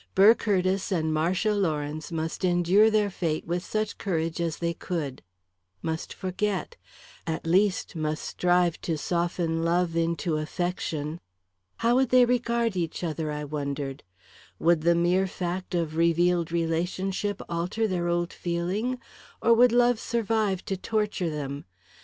Burr Curtiss and Marcia Lawrence must endure their fate with such courage as they could; must forget; at least, must strive to soften love into affection. How would they regard each other, I wondered? Would the mere fact of revealed relationship alter their old feeling, or would love survive to torture them?